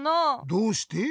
どうして？